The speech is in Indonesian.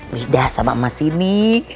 beda sama emas ini